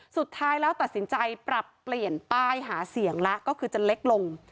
สุดท้ายแล้วตัดสินใจปรับเปลี่ยนป้ายหาเสียงแล้วก็คือจะเล็กลง